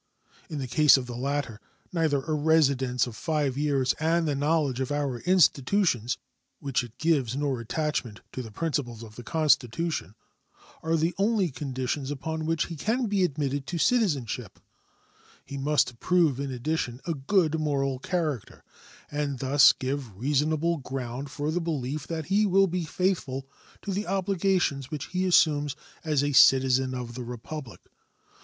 In the case of the latter neither a residence of five years and the knowledge of our institutions which it gives nor attachment to the principles of the Constitution are the only conditions upon which he can be admitted to citizenship; he must prove in addition a good moral character, and thus give reasonable ground for the belief that he will be faithful to the obligations which he assumes as a citizen of the Republic.